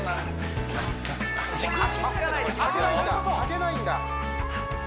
下げないんだ